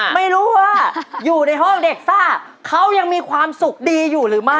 ไม่รู้ว่าอยู่ในห้องเด็กซ่าเขายังมีความสุขดีอยู่หรือไม่